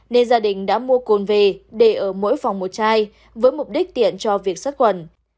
nên gia đình đã mua côn về để ở mỗi phòng một chai với mục đích tiện cho việc sát quần